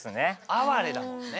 「あはれ」だもんね。